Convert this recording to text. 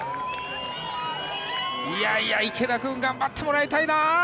いやいや、池田君頑張ってもらいたいな！